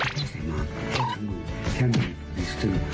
แค่ใส่มากแค่ทั้งมือแค่มีในสุด